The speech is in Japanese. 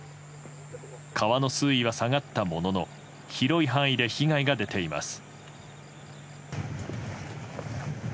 川の水位は下がったものの広い範囲で被害が出ています。